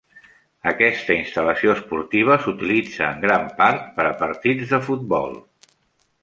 Aquesta instal·lació esportiva s'utilitza en gran part per a partits de futbol.